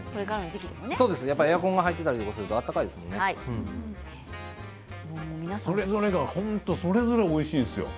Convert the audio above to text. エアコンが入っていたりすると暖かいですよね。